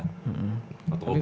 atau bawa peluru gitu